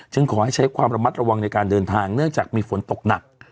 ขอให้ใช้ความระมัดระวังในการเดินทางเนื่องจากมีฝนตกหนัก